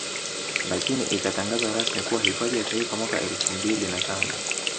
Lakini ikatangazwa rasmi kuwa hifadhi ya Taifa mwaka Elfu mbili na tano